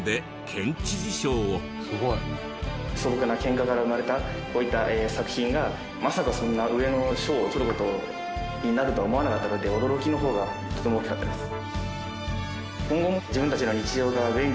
素朴なケンカから生まれたこういった作品がまさかそんな上の賞を取る事になるとは思わなかったので驚きの方がとても大きかったです。